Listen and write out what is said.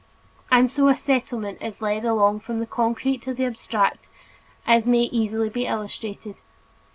And so a Settlement is led along from the concrete to the abstract, as may easily be illustrated.